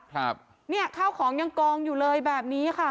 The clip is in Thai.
ครับเนี่ยข้าวของยังกองอยู่เลยแบบนี้ค่ะ